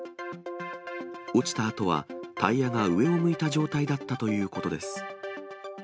落ちたあとは、タイヤが上を向いた状態だったということです。